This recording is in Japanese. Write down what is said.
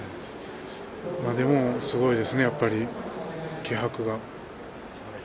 でもすごいですね、やっぱり気迫が。